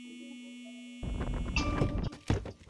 光假奓包叶为大戟科假奓包叶属下的一个种。